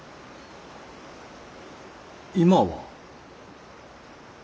今は。